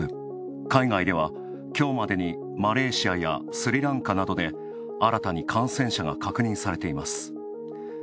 海外ではきょうまでにマレーシアやスリランカなどで新たに感染者が確認されています。